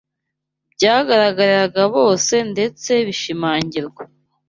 byagaragariraga bose ndetse bishimangirwa